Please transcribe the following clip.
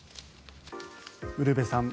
ウルヴェさん